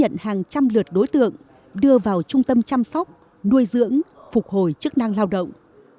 nhận hàng trăm lượt đối tượng đưa vào trung tâm chăm sóc nuôi dưỡng phục hồi chức năng lao động